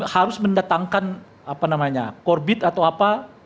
harus mendatangkan korbit atau apa